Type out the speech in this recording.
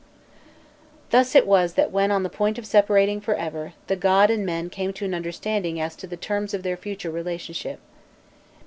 Thus it was that when on the point of separating for ever, the god and men came to an understanding as to the terms of their future relationship.